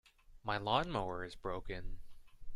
My lawn-mower is broken.